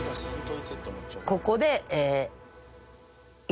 ここで。